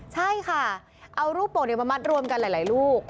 ใช่ค่ะเอารูปโป่งมามัดรวมกันหลายลูก